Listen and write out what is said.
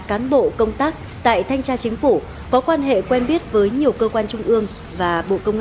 cán bộ công tác tại thanh tra chính phủ có quan hệ quen biết với nhiều cơ quan trung ương và bộ công